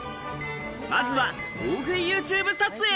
まずは大食いＹｏｕＴｕｂｅ撮影。